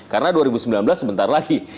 karena dua ribu sembilan belas sebentar lagi